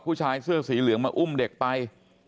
ผู้ชายเสื้อสีเหลืองมาอุ้มเด็กไป